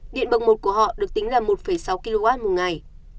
điện bậc một của họ được tính là một sáu kw một ngày